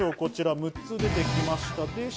６つ出てきました。